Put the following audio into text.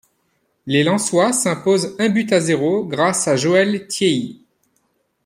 Les Lensois s'imposent un but à zéro grâce à Joël Tiéhi.